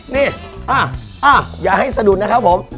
นี่อย่าให้สะดุดนะครับผม